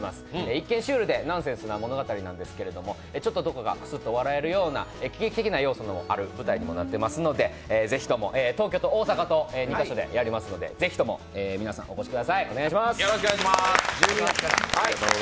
一見、シュールでナンセンスな物語なんですけどどこかくすっと笑えるような喜劇的な要素のある舞台にもなっていますので、ぜひとも東京と大阪と２か所でやりますのでぜひとも皆様お越しください。